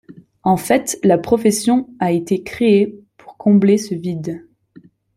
En fait, la profession a été créée pour combler ce vide.